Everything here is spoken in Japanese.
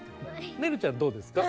ねるちゃんどうですか？